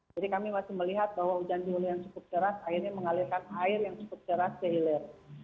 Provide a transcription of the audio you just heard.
jadi kami masih melihat bahwa hujan dari hulu yang cukup keras akhirnya mengalirkan air yang cukup keras di hilir